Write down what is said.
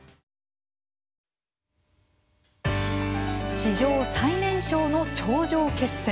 史上最年少の頂上決戦。